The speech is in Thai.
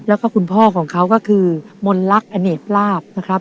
แล้วก็คุณพ่อของเขาก็คือมนลักษณ์อเนกลาบนะครับ